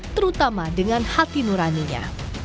terutama dengan hati nuraninya